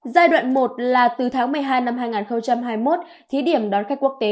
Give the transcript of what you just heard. giai đoạn một là từ tháng một mươi hai năm hai nghìn hai mươi một thí điểm đón khách quốc tế